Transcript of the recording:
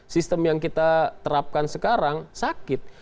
sistem yang kita terapkan sekarang sakit